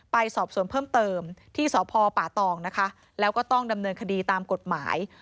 ไปสอบสวนเพิ่มเติมที่สพป่าตองนะคะแล้วก็ต้องดำเนินคดีตามกฎหมาย